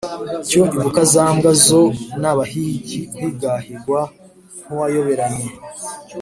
Cyo ibuka za mbwa zo n’abahigi Uhigahigwa nk’uwayoberanye